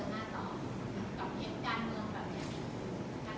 กรองเทียมการเมืองแบบยังไง